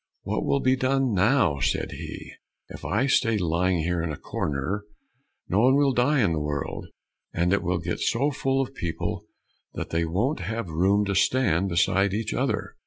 "What will be done now," said he, "if I stay lying here in a corner? No one will die in the world, and it will get so full of people that they won't have room to stand beside each other."